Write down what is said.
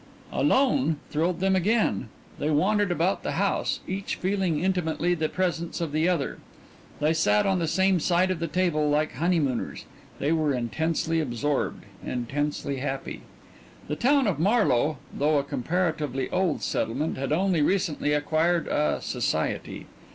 "Alone" thrilled them again. They wandered about the house, each feeling intimately the presence of the other; they sat on the same side of the table like honeymooners; they were intensely absorbed, intensely happy. The town of Marlowe, though a comparatively old settlement, had only recently acquired a "society."